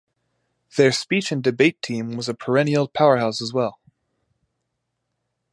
Their Speech and Debate team was a perennial powerhouse as well.